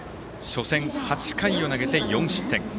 初戦、８回を投げて４失点。